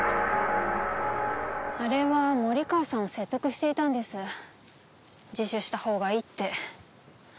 あれは森川さんを説得していたんです自首したほうがいいって。